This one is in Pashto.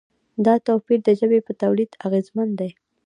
دا توپیر د ژبې په تولید اغېزمن دی.